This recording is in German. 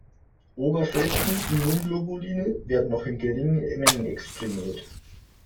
Oberflächen-Immunglobuline werden noch in geringen Mengen exprimiert.